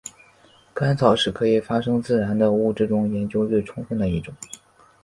干草是可以发生自燃的物质中研究最充分的一种。